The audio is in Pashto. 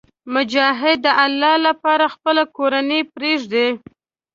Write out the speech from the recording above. مجاهد د الله لپاره خپله کورنۍ پرېږدي.